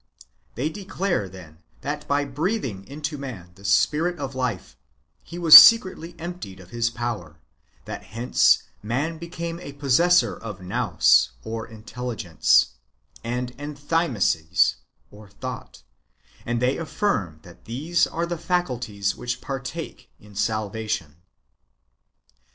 They declare, then, that by breathing into man the spirit of life, he was secretly emptied of his power ; that hence man became a possessor of nous (intelligence) and enthymesis (thought) ; and they affirm that these are the faculties which partake in salvation.